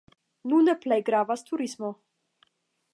Nune plej gravas turismo.